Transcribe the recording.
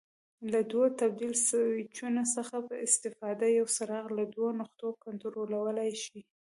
له دوو تبدیل سویچونو څخه په استفاده یو څراغ له دوو نقطو کنټرولولای شي.